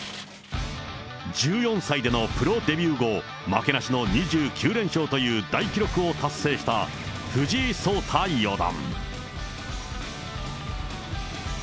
１４歳でのプロデビュー後、負けなしの２９連勝という大記録を達成した藤井聡太四段。